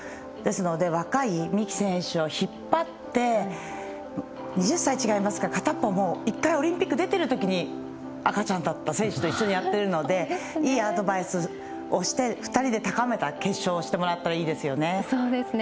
ですので若い三木選手を引っ張って２０歳違いますから片方は１回オリンピック出てるときに赤ちゃんだった選手と一緒にやっているのでいいアドバイスをして２人で高めた決勝をしてもらえたらいいですよね。